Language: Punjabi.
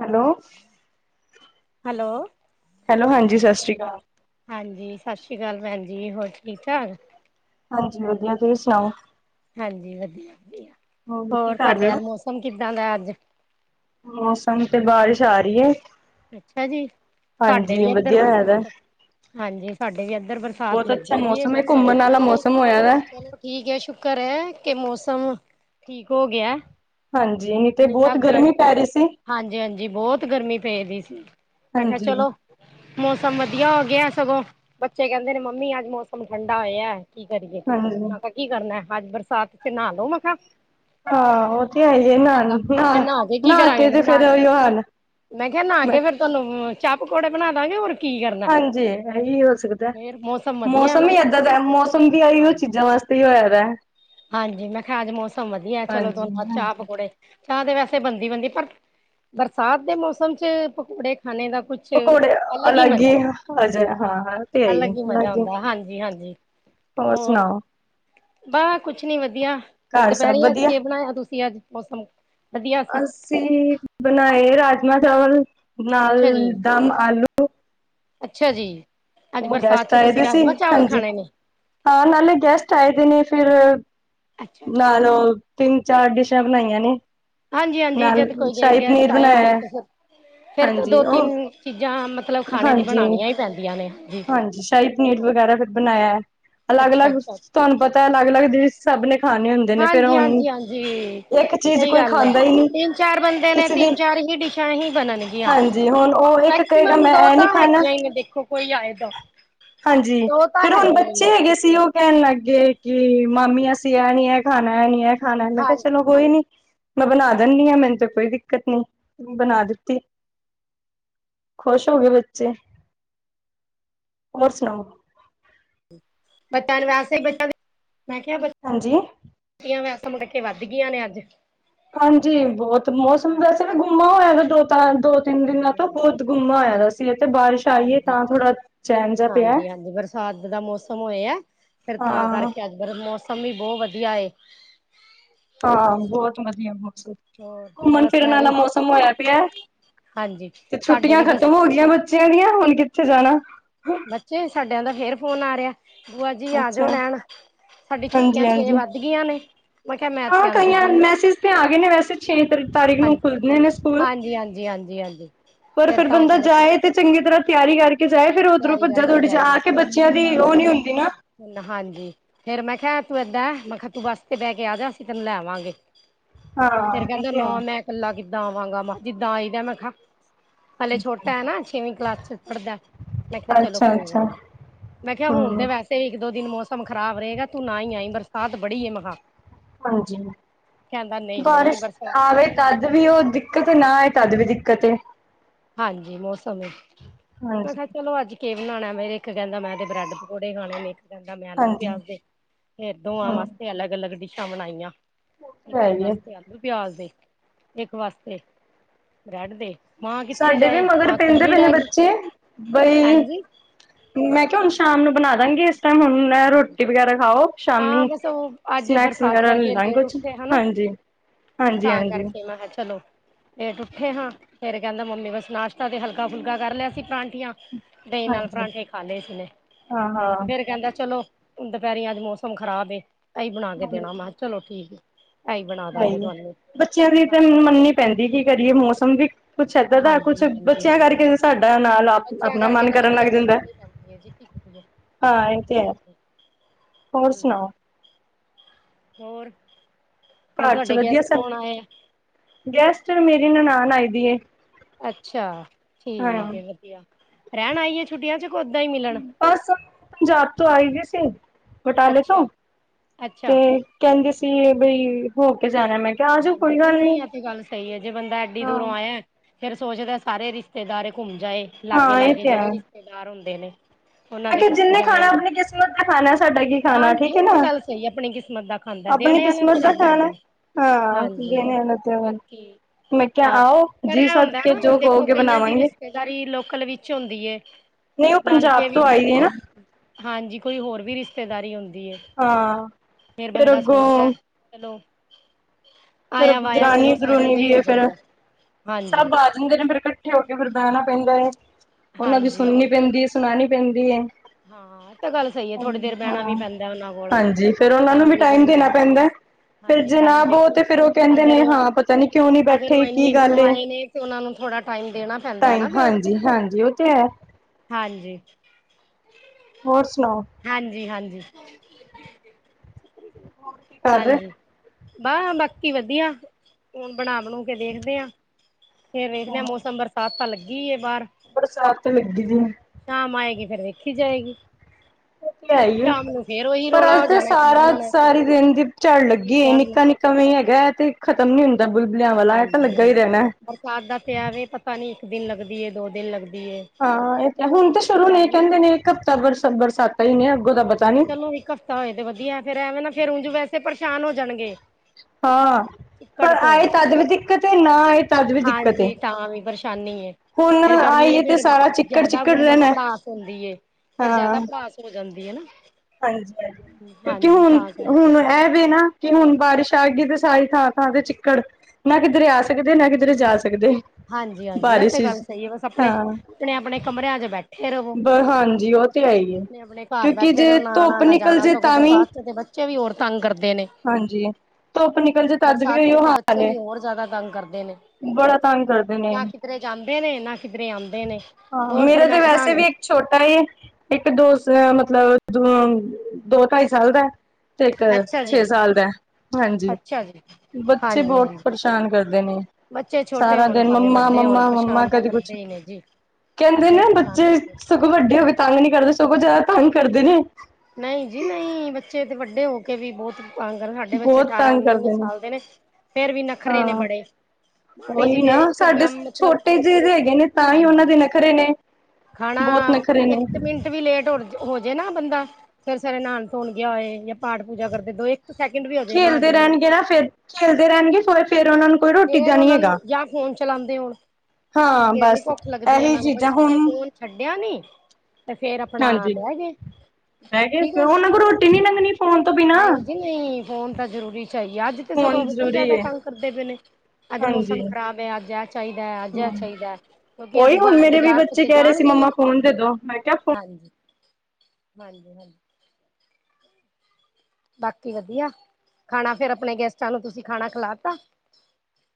ਹੈਲੋ ਹੈਲੋ ਹੈਲੋ ਹਾਂਜੀ ਸਤਿ ਸ਼੍ਰੀ ਅਕਾਲ ਹਾਂਜੀ ਸਤਿ ਸ਼੍ਰੀ ਅਕਾਲ ਭੈਣ ਜੀ ਹੋਰ ਠੀਕ ਠਾਕ ਹਾਂਜੀ ਵਧੀਆ ਤੁਸੀਂ ਸੁਣਾਓ ਹਾਂਜੀ ਵਧੀਆ ਵਧੀਆ। ਕੀ ਹੋਰ ਕਰ ਤਾਡੇ ਰਹੇ ਹੋ ਵਲ ਮੌਸਮ ਕਿੱਦਾਂ ਦਾ ਅੱਜ? ਮੌਸਮ ਤੇ ਬਾਰਿਸ਼ ਆ ਰਹੀ ਐ। ਅੱਛਾ ਜੀ, ਸਾਡੇ ਵੀ ਇੱਧਰ ਵਧੀਆ ਹੋਇਆ ਦਾ ਬਰਸਾਤ ਹਾਂਜੀ, ਸਾਡੇ ਵੀ ਇਧਰ ਬਰਸਾਤ ਬਹੁਤ ਅੱਛਾ ਲੱਗੇ ਵੀ ਐ, ਹੈ ਮੌਸਮ ਘੁੰਮਣ ਵਾਲਾ ਵਧੀਆ ਏ, ਮੌਸਮ ਹੋਇਆ ਦਾ ਚਲੋ ਠੀਕ ਹੈ ਸ਼ੁਕਰ ਹੈ ਕਿ ਮੌਸਮ ਠੀਕ ਹੋ ਗਿਆ [unintelligible] ਹਾਂਜੀ ਤੇ ਨਹੀਂ ਤਾਂ ਬਹੁਤ ਗਰ ਗਰਮੀ ਪੈ ਰਹੀ ਸੀ ਹਾਂਜੀ ਹਾਂਜੀ ਬਹੁਤ ਗਰਮੀ [unintelligible] ਸੀ ਮੈਂ ਕਿਹਾ ਹਾਂਜੀ ਚਲੋ ਮੌਸਮ ਵਧੀਆ ਹੋ ਗਿਆ ਸਗੋਂ ਬੱਚੇ ਕਹਿੰਦੇ ਨੇ ਮੰਮੀ ਅੱਜ ਮੌਸਮ ਮੌਸਮ ਠੰਡਾ ਹੋਇਆ ਕੀ ਕਰੀਏ, ਹਾਂਜੀ ਨਾ ਤਾਂ ਕੀ ਕਰਨਾ ਅੱਜ ਬਰਸਾਤ ਚ ਨਹਾ ਲੋਓ ਮ ਕਿਹਾ ਹਾਂ ਉਹ ਤੇ ਹੈ ਈ ਐ ਨਹਾ ਕਹਿੰਦਾ ਨਹਾ ਤੇ ਕੇ ਕੀ ਨਹਾ ਕਰਾਂਗੇ ਕੇ ਮੈਂ ਤੇ ਫੇਰ ਨਹਾ ੳਹੀਓ ਹਾਲ ਮੈਂ ਕਿਹਾ ਨ ਕੇ ਫੇਰ ਤੁਹਾਨੂੰ ਚਾਹ ਪਕੌੜੇ ਬਣਾ ਦਾਂ ਕੇ ਹੋਰ ਕੀ ਕਰਨਾ ਹਾਂਜੀ, ਇਹੀ ਹੋ ਸਕਦੇ, ਫੇਰ ਵਧੀਆ ਮੌਸਮ ਮੈਂ ਹੀ ਕਿਹਾ ਇਏਦਾਂ ਦਾ ਮੌਸਮ ਵੀ ਆਈ ਉਹ ਹਾਂਜੀ ਚੀਜ਼ਾਂ ਵਾਸਤੇ ਕੀ ਹੋਇਆ ਦੇ ਹਾਂਜੀ, ਮੈਂ ਕਿਹਾ ਅੱਜ ਮੌਸਮ ਵਧੀਆ ਚਲੋ ਹਾਂਜੀ ਤੋਨੂੰ ਅੱਜ ਚਾਹ ਹਾਂਜੀ ਪਕੌੜੇ ਚਾਹ ਤਾਂ ਵੈਸੇ ਬਣਦੀ ਬਣਦੀ, ਪਰ ਬਰਸਾਤ ਦੇ ਮੌਸਮ ਚ ਪਕੌੜੇ ਖਾਣੇ ਦਾ ਕੁਛ ਪਕੌੜੇ ਅਲੱਗ ਹੀ ਅਲੱਗ ਈ ਮਜ਼ਾ ਹਜੇ, ਹਾਂ ਹਾਂ ਤੇ ਹੈ ਈ, ਅਲੱਗ ਮਜ਼ਾ ਅਲਗੇ ਹੀ ਆਉਂਦਾ ਹੋਰ ਸੁਣਾਓ। ਬਾ ਕੁਛ ਨੀ ਵਧੀਆ। ਘਰ ਸਭ ਦੁਪਹਿਰੀ ਅੱਜ ਵਧੀਆ ਕੀ ਬਣਾਇਆ ਤੁਸੀਂ ਅੱਜ, ਮੌਸਮ ਵਧੀਆ ਸੀ। ਅਸੀਂ ਬਣਾਏ, ਰਾਜਮਾਂ ਚਾਵਲ ਨਾਲ ਅੱਛਾ ਜੀ ਦਮ ਆਲੂ। ਅੱਛਾ ਜੀ, ਅੱਜ ਉਹ ਬਰਸਾਤ ਗੈਸਟ ਚ ਆਏ ਤੁਸੀਂ ਦੇ ਸੀ ਰਾਜਮਾਂ ਚਾਵਲ ਹਾਂਜੀ ਖਾਣੇ ਨੇ? ਹਾਂ ਨਾਲੇ, ਗੈਸਟ ਆਏ ਦੇ ਨੇ ਫਿਰ ਅੱਛਾ ਅੱਛਾ ਨਾਲ ਅੱਛਾ ਓ ਤਿੰਨ ਚਾਰ ਡਿਸ਼ਾਂ ਬਣਾਈਆਂ ਨੇ। ਹਾਂਜੀ ਹਾਂਜੀ, ਨਾਲ ਜਦ ਕੋਈ ਗ ਸ਼ਾਹੀ ਗੈਸਟ ਪਨੀਰ ਆਏ ਹੋਏ ਬਣਾਇਆ ਤੇ ਫਿਰ ਫੇਰ ਤਾਂ ਹਾਂਜੀ ਦੋ ਉਹ ਤਿੰਨ ਚੀਜ਼ਾਂ ਮਤਲਬ ਖਾਣੇ ਦੀ ਹਾਂਜੀ ਬਣਾਣੀਆਂ ਈ ਪੈਂਦੀਆਂ ਨੇ। ਜੀ ਹਾਂਜੀ, ਸ਼ਾਈ ਪਨੀਰ ਵਗੈਰਾ ਫਿਰ ਬਣਾਇਆ ਐ, ਅਲੱਗ ਅੱਛਾ ਅਲੱਗ ਅੱਛਾ ਤੁਹਾਨੂੰ ਪਤਾ ਅਲੱਗ ਅਲੱਗ ਡਿਸਸ਼ ਸਭ ਨੇ ਖਾਣੇ ਹੁੰਦੇ ਨੇ ਫਿਰ ਹਾਂਜੀ ਹੁਣ ਹਾਂਜੀ ਹਾਂਜੀ, ਇੱਕ ਚੀਜ਼ ਸਈ ਕੋਈ ਗੱਲ ਐ। ਖਾਂਦਾ ਹੀ ਨਹੀਂ ਤਿੰਨ ਚਾਰ ਬੰਦੇ ਨੇ ਕਿਸੇ ਤਿੰਨ ਦੀ ਚਾਰ ਹੀ ਡਿਸ਼ ਹੀ ਬਣਨਗੀਆਂ। ਹਾਂਜੀ ਹੁਣ ਉਹ ਇੱਕ ਕਹੇਗਾ ਮੈਕਸੀਮਮ ਮੈਂ ਦੋ ਇਹ ਨੀ ਤਾਂ ਖਾਣਾ ਹੈਗੀਆਂ ਈ ਆਂ ਦੇਖੋ ਕੋਈ ਆਏ ਦੋ ਹਾਂਜੀ, ਤਾਂ ਫੇਰ ਹੁਣ ਹੈਗੀਆਂ ਹੀ ਬੱਚੇ ਨੇ ਹੈਗੇ ਸੀ ਉਹ ਕਹਿਣ ਲੱਗੇ ਕਿ ਮਾਮੀ ਅਸੀਂ ਐ ਨੀ ਐ ਖਾਣਾ, ਐ ਨੀ ਐ ਖਾਣਾ, ਮੈਂ ਕਿਹਾ ਹਾਂਜੀ ਚਲੋ ਕੋਈ ਨੀ, ਮੈਂ ਬਣਾ ਦਿੰਨੀ ਆਂ, ਮੈਨੂੰ ਤੇ ਕੋਈ ਦਿੱਕਤ ਨੀ, ਮੈਂ ਬਣਾ ਦਿੱਤੀ। ਖੁਸ਼ ਹੋ ਗਏ ਬੱਚੇ। ਹੋਰ ਸੁਣਾਓ। ਬੱਚਾ ਨੂੰ ਵੈਸੇ ਹੀ ਬੱਚਾ ਦੇ, ਮੈਂ ਕਿਹਾ ਬਾ ਹਾਂਜੀ? [unintelligible] ਵੱਧ ਗਈਆਂ ਨੇ ਅੱਜ। ਹਾਂਜੀ, ਬਹੁਤ। ਮੌਸਮ ਹਾਂਜੀ ਵੈਸੇ ਵੀ ਗੁੰਮਾ ਹੋਇਆ ਦਾ ਦੋ ਤਰਾਂ ਦੋ ਤਿੰਨ ਦਿਨਾਂ ਹਾਂਜੀ ਤੋਂ ਹਾਂਜੀ ਬਹੁਤ ਗੁੰਮਾ ਹੋਇਆ ਦਾ ਵੀ ਸੀ, ਬਾਰਿਸ਼ ਆਈ ਏ ਹਾਂਜੀ ਤਾਂ ਥੋੜਾ ਚੈਨ ਜਿਹਾ ਪਿਆ। ਥੱਦ ਦਾ ਮੌਸਮ ਹੋਇਆ, ਫੇਰ ਥਾਂ ਹਾਂ ਕਰਕੇ ਅੱਜ ਕਲ ਮੌਸਮ ਵੀ ਬੌ ਵਧੀਆ ਏ ਹਾਂ ਬਹੁਤ ਵਧੀਆ ਮੌਸਮ। ਹੋਰ ਘੁੰਮਣ ਬਸ ਫਿਰਨ ਮੈਂ ਵਾਲਾ ਵੀ ਮੌਸਮ ਹੋਇਆ ਪਿਆ ਹਾਂਜੀ ਤੇ ਸਾਡੇ ਛੁੱਟੀਆਂ ਵੀ ਬਸ ਖਤਮ ਹੋ ਗਈਆਂ ਬ ਚਿਆਂ ਦੀਆਂ, ਹੁਣ ਕਿੱਥੇ ਜਾਣਾ? ਬੱਚੇ, ਸਾਡਿਆਂ ਦਾ ਫੇਰ ਫੋਨ ਆ ਰਿਹਾ, ਬੂਆ ਜੀ ਆਜੋ ਅੱਛਾ ਲੈਣ। ਸਾਡੀ ਹਾਂਜੀ ਛੁੱਟੀਆਂ ਛੇ ਹਾਂਜੀ। ਵੱਧ ਗਈਆਂ ਨੇ ਮੈਂ ਕਿਹਾ ਮੈਂ ਤੇ ਹਾਂ, ਆਂਦੀ ਕਈਆਂ ਕੋ ਨੀ ਮੈਸਜ ਤੇ ਆ ਗਏ ਨੇ ਵੈਸੇ ਛੇ ਤਰ ਤਾਰੀਖ ਨੂੰ ਹਾਂਜੀ ਖੁੱਲਣੇ ਨੇ ਸਕੂਲ, ਹਾਂਜੀ ਹਾਂਜੀ ਹਾਂਜੀ ਹਾਂਜੀ ਪਰ ਫਿਰ ਫੇਰ ਤਾਂ ਬੰਦਾ ਕਰਕੇ ਜਾਏ ਤੇ ਚੰਗੀ ਤਰ੍ਹਾਂ ਤਿਆਰੀ ਕਰਕੇ ਜਾਏ, ਫਿਰ ਉੱਧਰੋਂ ਤਿਆਰੀ ਭੱਜਾ ਕਰਕੇ ਦੌੜੀ ਆ ਕੇ ਬੱਚਿਆਂ ਦੀ ਉਹ ਨੀ ਹੁੰਦੀ ਨਾ ਨ ਹਾਂਜੀ। ਫੇਰ ਮੈਂ ਕਿਹਾ ਤੂੰ ਏਦਾਂ ਆ, ਮੈਂ ਕਿਹਾ ਤੂੰ ਬੱਸ ਤੇ ਬਹਿ ਕੇ ਆ ਜਾ, ਅਸੀਂ ਤੈਨੂੰ ਲੈ ਆਂਵਾਂਗੇ। ਫੇਰ ਹਾਂ ਇਹ ਕਹਿੰਦੇ ਤੇ ਹੈ। ਨਾ ਮੈਂ ਇਕੱਲਾ ਕਿੱਦਾਂ ਆਵਾਂਗਾ ਮਾ, ਜਿੱਦਾਂ ਆਈ ਦਾ ਮੈਂ ਖਾ। ਹਲੇ ਹਾਂਜੀ ਛੋਟਾ ਐ ਹਾਂਜੀ, ਨਾ, ਛੇਵੀਂ ਕਲਾਸ ਚ ਪੜ੍ਹਦੈ। ਮੈਂ ਕਿਹਾ ਚਲੋ ਅੱਛਾ ਕੋਈ ਅੱਛਾ ਗੱਲ ਨੀ। ਮੈਂ ਕਿਹਾ ਹੁਣ ਤੇ ਹੂੰ। ਵੈਸ ਤੇ ਇੱਕ-ਦੋ ਦਿਨ ਮੌਸਮ ਖ਼ਰਾਬ ਰਹੇਗਾ, ਤੂੰ ਨਾ ਹੀ ਆਈ। ਬਰਸਾਤ ਬੜੀ ਮ ਹਾਂਜੀ। ਨਹੀਂ ਬਾਰੀਸ਼ ਬਰਸਾਤ ਆਵੇ ਨੀ ਹੈ ਮੈਂ ਤੱਦ ਕਿਹਾ ਵੀ ਉਹ ਦਿੱਕਤ ਏ, ਨਾ ਆਏ ਬਰਸਾਤ ਤਦ ਵੀ ਦਿੱਕਤ ਏ। ਹਾਂਜੀ ਮੌਸਮ ਐ। ਹਾਂਜੀ [unintelligible] ਚਲੋ ਅੱਜ ਕੇ ਬਣਾਉਣਾ ਮੇਰੇ, ਇੱਕ ਕਹਿੰਦਾ ਮੈਂ ਤੇ ਬ੍ਰੈਡ ਪਕੌੜੇ ਖਾਣੇ ਨੇ ਕਹਿੰਦਾ ਮੈਂ ਆਲੂ ਹਾਂਜੀ। ਪਿਆਜ ਦੇ, ਫੇਰ ਦੋਵਾਂ ਹੂੰ ਵਾਸਤੇ ਅਲੱਗ ਅਲੱਗ ਡਿਸ਼ਾਂ ਬਣਾਈਆਂ। ਉਹ ਤੇ ਇੱਕ ਹੈ ਦੇ ਈ ਏ। ਵਾਸਤੇ ਆ ਪਿਆਜ ਦੇ, ਇੱਕ ਵਾਸਤੇ ਬ੍ਰੈਡ ਦੇ, ਮਾਂ ਕਿੱਥੇ ਸਾਡੇ ਵੀ ਜਾਏ ਮਗਰ ਮਾਂ ਪੈਂਦੇ ਕੱਲੀ ਪਏ ਨੇ ਰਹਿ ਗਈ ਬੱਚੇ, ਬਈ ਹਾਂਜੀ। ਮੈਂ ਕਿਹਾ ਹੁਣ ਸ਼ਾਮ ਨੂੰ ਬਣਾ ਦਾਂਗੇ ਤਾਂ ਹੁਣ ਨੈ ਹਾਂਜੀ ਰੋਟੀ ਵਗੈਰਾ ਖਾਓ, ਹਾਂ ਸ਼ਾਮੀ ਬਸ ਉਹ ਅੱਜ ਸਨੈਕਸ ਬਰਸਾਤ ਵਗੈਰਾ ਲੈ ਕਰਕੇ ਲਾਂਗੇ ਲੇਟ ਕੁਛ। ਉੱਠੇ ਹਨਾ ਹਾਂਜੀ। ਹਾਂਜੀ ਤਾਂ ਹਾਂਜੀ ਕਰਕੇ, ਮੈਂ ਹਾ ਚਲੋ। ਲੇਟ ਉੱਠੇ ਹਾਂ, ਫੇਰ ਕਹਿੰਦਾ ਮੰਮੀ ਬਸ ਨਾਸ਼ਤਾ ਵੀ ਹਲਕਾ-ਫੁਲਕਾ ਕਰ ਲਿਆ ਸੀ, ਪਰਾਂਠੀਆਂ ਦਹੀਂ ਨਾਲ ਹਾਂਜੀ ਪਰਾਂਠੇ ਖਾਲੇ ਈਸਨੇ, ਹਾਂ ਹਾਂ ਫੇਰ ਕਹਿੰਦਾ ਚਲੋ, ਦੁਪਹਿਰੀ ਅੱਜ ਮੌਸਮ ਖ਼ਰਾਬ ਏ, ਇਹੀ ਬਣਾਕੇ ਦੇਣਾ। ਮੈਂ ਚਲੋ ਠੀਕ ਏ। ਐ ਹੀ ਬਣਾਦਾਂਗੇ ਸਹੀ ਤੁਹਾਨੂੰ। ਬੱਚਿਆਂ ਦੀ ਹਾਂ ਤਾਂ ਮੰਨਣੀ ਪੈਂਦੀ ਕੀ ਕਰੀਏ, ਮੌਸਮ ਵੀ ਕੁੱਛ ਇੱਦਾਂ ਦਾ, ਕੁਛ ਹਾਂਜੀ ਹਾਂਜੀ ਬੱਚਿਆ ਹਾਂਜੀ ਕਰਕੇ ਸਾਡਾ ਨਾਲ ਆਪ ਬੱਚਿਆਂ ਆਪਣਾ ਕਰਕੇ ਮਨ ਤਾਂ ਕਰਨ ਲੱਗ ਬੱਚਿਆਂ ਦੀ ਜਾਂਦਾ ਸੁਨਣੀ ਜਾਂਦੀ ਹੈ ਜੀ, ਕੀ ਕਰੀਏ। ਹਾਂ, ਇਹ ਤੇ ਹੈ। ਹੋਰ ਹੂੰ ਸੁਣਾਓ? ਹੋਰ? ਫੇਰ ਘਰ'ਚ ਤੁਹਾਡੇ ਵਧੀਆ ਗੈਸਟ ਸਭ? ਕੌਣ ਆਏ ਆ ਗੈਸਟ ਮੇਰੀ ਨਨਾਣ ਆਈ ਦੀ ਏ ਅੱਛਾ ਹਾਂ ਠੀਕ ਏ, ਵਧੀਆ। ਰਹਿਣ ਆਈ ਹੈ ਛੁੱਟੀਆ'ਚ, ਕ ਓਹਦਾਂ ਈ ਮਿਲਣ? ਬੱਸ ਪੰਜਾਬ ਤੋਂ ਆਈ ਗਈ ਸੀ, ਬਟਾਲੇ ਤੋਂ, ਅੱਛਾ ਅੱਛਾ ਤੇ ਕਹਿੰਦੀ ਸੀ ਬਈ, ਹੋਕੇ ਜਾਣਾ ਮੈਂ'' ਕਿਹਾ ਆਜੋ ਕੋਈ ਹਾਂਜੀ, ਗੱਲ ਨੀ ਨਹੀਂ ਐ, ਤੇੇ ਗੱਲ ਸਹੀ ਹੈ। ਜੇ ਬੰਦਾ ਐਡੀ ਹਾਂ ਦੂਰੋਂ ਆਇਆ ਫਿਰ ਸੋਚਦਾ ਸਾਰੇ ਰਿਸ਼ਤੇਦਾਰ ਘੁੰਮ ਜਾਏ, ਹਾਂ ਇਹ ਲਾੱਗੇ-ਲਾੱਗੇ ਤੇ ਜਿਹੜੇ ਹੈ ਰਿਸ਼ਤੇਦਾਰ ਹੁੰਦੇ ਨੇ। ਉਹਨਾਂ ਮੈਂ ਦੇ ਕਿਹਾ, ਘਰ ਜਿੰਨੇ ਜਾ ਆਈ ਖਾਣਾ ਆਪਣੀ ਕਿਸਮਤ ਦਾ ਖਾਣਾ ਸਾਡਾ ਕੀ ਖਾਣਾ, ਹਾਂਜੀ ਠੀਕ ਹੈ ਉਹ ਤਾਂ ਨਾ। ਗੱਲ ਸਹੀ ਆਪਣੀ ਕਿਸਮਤ ਦਾ ਖਾਂਦਾ ਆਪਣੀ ਦੇਣੇ ਵਾਲਾ ਤੇ ਕਿਸਮਤ ਦਾ ਰੱਬ ਖਾਣਾ, ਹੈਗਾ ਹਾਂ। ਹਾਂਜੀ ਦੇਣੇ ਬਾਕੀ ਮੈਂ ਕਿਹਾ, ਹਾਂ ਆਓ ਪਰ ਜੀ ਸੱਦਕੇ, ਜੋ ਕਹੋਗੇ ਬਣਾਵਾਂਗੇ। ਦਾਰੀ ਲੋਕਲ ਵਿੱਚ ਹੁੰਦੀ ਏ। ਨਹੀਂ ਉਹ ਨਾਨਕੇ 'ਪੰਜਾਬ' ਵੀ ਤੋਂ ਆਈ ਵਿੱਚ ਏ, ਨਾ। ਹਾਂਜੀ, ਕੋਈ ਹੋਰ ਵੀ ਰਿਸ਼ਤੇਦਾਰੀ ਆਉਂਦੀ ਏ। ਹਾਂ, ਫਿਰ ਅੱਗੋਂ ਹੈਲੋ। ਫੇਰ ਗੁਜਰਾਨੀ ਸਾਰਿਆਂ ਦਰੂਨੀ ਦਾ ਹੀ ਹੋ ਵੀ ਫੇਰ, ਜਾਂਦਾ। ਸਭ ਹਾਂਜੀ, ਬਾ ਆਂਦੇ ਨੇ ਫਿਰ ਇਕੱਠੇ ਹੋਕੇ, ਫਿਰ ਬਹਿਣਾ ਪੈਂਦਾ ਹੈ, ਉਹਨਾ ਦੀ ਹਾਂਜੀ, ਸੁਣਨੀ ਹਾਂਜੀ। ਪੇਂਦੀ ਏ ਸੁਣਾਉਣੀ ਪੇਦੀ ਏ। ਹਾਂ, ਇਹ ਤਾਂ ਗੱਲ ਸਹੀ ਹੈ ਥੋੜ੍ਹੀ ਦੇਰ ਬਹਿਣਾ ਵੀ ਹਾਂ। ਪੈਂਦਾ ਉਹਨਾਂ ਕੋਲ ਹਾਂਜੀ, ਫਿਰ ਉਹਨਾ ਨੂੰ ਵੀ ਟਾਈਮ ਦੇਣਾ ਪੈਂਦਾ। ਫਿਰ ਹਾਂਜੀ, ਜੇ ਨਾ ਟਾਈਮ ਬਓ ਦੇਖੋ ਤੇ ਫਿਰ ਅਗਰ ਉਹ, ਅਗਰ ਉਹ ਇੰਨੀ ਕੀ ਗੱਲ ਦੂਰੋਂ ਏ। ਆਏ ਨੇ, ਤੇ ਉਹਨਾਂ ਨੂੰ ਥੋੜਾ ਟਾਈਮ ਦੇਣਾ ਪੈਂਦਾ ਟਾਈਮ, ਨਾ ਫੇਰ ਹਾਂਜੀ-ਹਾਂਜੀ, ਉਹ ਤੇ ਹੈ। ਹਾਂਜੀ। ਹੋਰ ਸੁਣਾਓ? ਹਾਂਜੀ, ਹਾਂਜੀ, ਹੋਰ ਕੀ ਕਰ ਰਹੇ। ਹਾਂਜੀ ਬਾ, ਬਾਕੀ ਵਧੀਆ, ਹੁਣ ਬਣਾ-ਬੁਣੂਕੇ ਦੇਖਦੇ ਆਂ। ਫਿਰ ਵਖਲਿਆ ਮੌਸਮ ਬਰਸਾਤ ਤਾਂ ਲੱਗੀ ਏ ਬਾਹਰ। ਬਰਸਾਤ ਤੇ ਲੱਗੀ ਦੀ ਏ। ਸ਼ਾਮ ਆਏਗੀ ਫੇਿਰ ਦੇਖੀ ਜਾਏਗੀ ਆਈਏ। ਸ਼ਾਮ ਨੂੰ ਫੇਰ ਉਹੀ ਪਰ ਰੌਲਾ ਅੱਜ ਹੋ ਤਾਂ ਜਾਣਾ ਕੀ ਸਾਰਾ ਬਣਾਣਾ ਸਾਰੇ ਦਿਨ ਦੀ ਝੜ ਕੀ ਲੱਗੀ ਚਾੜਨਾ। ਨਿੱਕਾ-ਨਿੱਕਾ ਕਵੇਂ ਹੈਗਾ ਤੇ ਖਤਮ ਨੀ ਹੁੰਦਾ। ਬੁਲਬੁਲਿਆਂ ਵਾਲਾ ਐ ਤਾਂ ਲੱਗਾ ਈ ਰਹਿਣਾ। ਵਰਦਾ ਪਿਆ ਪਤਾ ਨੀ ਇੱਕ ਦਿਨ ਲੱਗਦੀ ਏ, ਦੋ ਦਿਨ ਲੱਗਦੀ ਏ। ਹਾਂ, ਇਹ ਹੁਣ ਬਸ ਤੇ ਫੇਰ ਸ਼ੁਰੂ ਨੇ, ਐਵੇ ਨਾ ਕਹਿੰਦੇ ਨੇ ਇੱਕ ਹਫ਼ਤਾ ਬਰਸ, ਬਰਸਾਤਾ ਹੀ ਨੇ ਅੱਗੋਂ ਦਾ ਪਤਾ ਨੀ। ਚਲੋ, ਇੱਕ ਹਫ਼ਤਾ ਹੋਏ ਤੇ ਵਧੀਆ, ਫੇਰ ਐਵੇਂ ਨਾ ਫੇਰ ਉਂਝ ਵੈਸੇ ਪਰੇਸ਼ਾਨ ਹੋ ਜਾਣਗੇ। ਹਾਂ। ਚਿੱਕੜ ਪਰ ਤੋਂ ਆਏ, ਤੱਦ ਵੀ ਦਿੱਕਤ ਏ, ਨਾ ਆਏ ਤੱਦ ਵੀ ਦਿੱਕਤ ਏ। ਹਾਂਜੀ ਤਾਂ ਵੀ ਪਰੇਸ਼ਾਨੀ ਏ। ਹੁਣ ਫੇਰ ਗਰਮੀ ਏ, ਆਈਏ ਤੇ ਫੇਰ ਸਾਰਾ ਜਿਆਦਾ ਚਿੱਕੜ-ਚਿੱਕੜ ਹੁੰਮਸ, ਰਹਿਣਾ ਭੜਾਸ ਹੁੰਦੀਏ, ਫੇਰ ਜਿਆਦਾ ਭੜਾਸ ਹੋ ਜਾਂਦੀ ਹੈ ਨਾ। ਹਾਂਜੀ, ਹਾਂਜੀ ਕਿਉਂਕਿ ਹਾਂਜੀ ਹੁਨ, ਤਾਂ ਕਰਕੇ ਹੁਨ ਐ, ਵੇ ਨਾ ਕੀ ਹੋਰ ਹੁਣ ਬਾਰਿਸ਼ ਆ ਗਈ, ਤੇ ਸਾਰੀ ਥਾਂ-ਥਾਂ ਤੇ ਚਿੱਕੜ ਨਾ ਕਿਧਰੇ ਆ ਸਕਦੇ, ਨਾ ਕਿਧਰੇ ਜਾ ਸਕਦੇ। ਹਾਂਜੀ, ਹਾਂਜੀ ਐ ਤੇ ਬਾਰਿਸ਼ ਗੱਲ ਇਚ ਸਹੀ ਹੈ ਬਸ ਆਪਣੇ, ਹਾਂ ਆਪਣੇ- ਆਪਣੇ ਕਮਰਿਆਂ'ਚ ਬੈ ਬੈਠੇ ਰਵੋ। ਬ ਹਾਂਜੀ ਉਹ ਤੇ ਹੈ ਈ ਏ। ਆਪਣੇ, ਆਪਣੇ ਘਰ ਕਿਉਂਕਿ ਬੈਠੇ ਰਹਿਵੋ ਜੇ ਨਾ ਆਉਣਾ ਧੁੱਪ ਨਾ ਨਿਕਲ ਜਾਣਾ ਜੇ ਸਗੋਂ ਤਾਂ ਵੀ ਬਰਸਾਤ ਚ ਬ ਬੱਚੇ ਵੀ ਹੋਰ ਤੰਗ ਕਰਦੇ ਨੇ। ਹਾਂਜੀ ਧੁੱਪ ਨਿਕਲ ਜਾ ਬਰਸਾਤੇ ਤੇ ਬੱਚੇ ਵੀ ਹੋਰ ਜ਼ਿਆਦਾ ਤੰਗ ਕਰਦੇ ਨੇ। ਬੜਾ ਤੰਗ ਕਰਦਾ ਨਾ ਕਿਧਰੇ ਜਾਂਦੇ ਨੇ, ਨਾ ਕਿਧਰੇ ਆਉਂਦੇ ਨੇ ਹੋਰ ਮੇਰਾ ਤੇ ਫਰਮਾਸ਼ਾਹ ਵੈਸੇ ਵੀ ਨੇ। ਛੋਟਾ ਇੱਕ ਦੋ ਮਤਲਬ ਦ ਦੋ ਢਾਈ ਸਾਲ ਦਾ। ਤੇ ਇੱਕ ਅੱਛਾ ਛੇ ਜੀ। ਸਾਲ ਦਾ ਹਾਂਜੀ। [unintelligible] ਬੱਚੇ ਹਾਂਜੀ ਬਹੁਤ ਹਾਂਜੀ ਪਰੇਸ਼ਾਨ ਕਰਦੇ ਨੇ। ਬੱਚੇ ਛੋਟੇ ਸਾਰਾ ਹੋਣ ਦਿਨ ਭਾਵੇਂ ਮੰਮਾ, ਵੱਡੇ ਹੋਣ ਮੰਮਾ, ਮੰਮਾ ਪਰੇਸ਼ਾਨ ਤਾਂ ਕਦੀ ਕੁਛ ਕਰਦੇ ਹੀ ਨੇ ਜੀ ਕਹਿੰਦੇ ਏਦਾਂ ਨੇ ਹੀ ਬੱਚੇ ਪਰੇਸ਼ਾਨ ਕਰਦੇ ਨੇ। ਸਗੋਂ ਵੱਡੇ ਹੋਵੇ ਤੰਗ ਨੀ ਕਰਦੇ ਸਗੋਂ ਜ਼ਿਆਦਾ ਤੰਗ ਕਰਦੇ ਨੇ। ਨਹੀਂ ਜੀ ਨਹੀਂ ਬੱਚੇ ਤੇ ਵੱਡੇ ਹੋ ਕੇ ਵੀ ਬਹੁਤ ਪਾਂਗ ਸਾਡੇ ਬੱਚੇ ਬਹੁਤ ਅਠਾਰਾਂ, ਤੰਗ ਉੱਨੀ, ਉੱਨੀ ਕਰਦੇ ਸਾਲ ਦੇ ਨੇ ਫੇਰ ਵੀ ਨਖਰੇ ਨੇ ਹਾਂ ਬੜੇ ਮਾੜੀ ਜੀ ਉਹੀ ਨਾ ਦੇਰ ਇੱਕ ਸਾਡੇ ਕੰਮ ਮਤਲਬ ਛੋਟੇ ਜਿਹੇ ਹੈਗੇ ਨੇ ਤਾਂ ਹੀ ਉਹਨਾਂ ਹਾਂਜੀ ਦੇ ਨਖਰੇ ਨੇ। ਖਾਣਾ ਬਹੁਤ ਨਖਰੇ ਇੱਕ ਨੇ। ਮਿੰਟ ਵੀ ਲੇਟ ਹੋ, ਹੋ ਜਾ ਨਾ ਬੰਦਾ। ਫਿਰ ਸਵੇਰੇ ਨਹਾਨ ਧੋਣ ਗਿਆ ਹੋਏ ਜਾਂ ਪਾਠ ਪੂਜਾ ਕਰਦੇ ਦੋ ਇੱਕ ਤੇ ਸਕਿੰਡ ਵੀ ਜਾਏ ਨਾ ਖੇਲਦੇ ਜੀ ਰਹਿਣਗੇ ਨਾ ਫੇਰ ਖੇਲਦੇ, ਰਹਿਣਗੇ ਫੇਰ ਉਹਨਾਂ ਨੂੰ ਕੋਈ ਰੋਟੀ ਦਾ ਫੇਰ ਨੀ ਉਹਨਾਂ ਨੂੰ ਹੈਗਾ ਜਾਂ ਫੋਨ ਚਲਾਉਂਦੇ ਹੋਣ। ਹਾਂ ਫੇਰ ਨੀ ਬਸ ਭੁੱਖ ਲੱਗਦੀ ਇਹੀ ਇਹਨਾਂ ਨੂੰ ਚੀਜ਼ਾਂ ਜਿੱਥੇ ਹੁਣ ਫੋਨ ਛੱਡਿਆ ਨੀ ਤੇ ਫੇਰ ਆਪਣਾ ਹਾਂਜੀ ਬਹਿ ਗਏ ਮਹਿ ਕੇਆ ਠੀਕ ਹੈ ਫ ਨਾ ਉਹਨਾਂ ਕੋਲ ਰੋਟੀ ਨੀ ਲੰਗਣੀ ਫੋਨ ਤੋਂ ਬਿਨਾਂ ਨਹੀਂ ਜੀ ਨਹੀਂ ਫੋਨ ਤਾਂ ਜ਼ਰੂਰੀ ਚਾਹੀਏ। ਅੱਜ ਤੇ ਸਗੋਂ ਫੋਨ ਹੋਰ ਜ਼ਰੂਰੀ ਜ਼ਿਆਦਾ ਹੈ ਤੰਗ ਕਰਦੇ ਪਏ ਨੇ। ਅੱਜ ਹਾਂਜੀ ਮੌਸਮ ਖਰਾਬ ਐ। ਅੱਜ ਇਹ ਚਾਹੀਦਾ। ਅੱਜ ਇਹ ਹਮ ਚਾਹੀਦਾ। ਕਿਉਂਕਿ ਅੱਜ ਉਹੀ ਹੁਣ ਬਾਹਰ ਮੇਰੇ ਵੀ ਬਾਜ਼ਾਰ ਚ ਬੱਚੇ ਉੱਤੇ ਕਹਿ ਜਾ ਸੀ ਮੰਮਾ ਫੋਨ ਦੇਦੋ ਮੈਂ ਕਿਹਾ ਫ ਹਾਂਜੀ, ਹਾਂਜੀ, ਹਾਂਜੀ ਬਾਕੀ ਵਧੀਆ ਖਾਣਾ ਫੇਰ ਆਪਣੇ ਗੈਸਟਾਂ ਨੂੰ, ਤੁਸੀਂ ਖਾਣਾ ਖਲਾ ਤਾ?